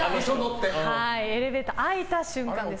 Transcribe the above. エレベーターが開いた瞬間です。